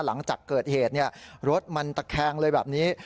หลังจากเกิดเหตุรถมันตะแคงเลยแบบนี้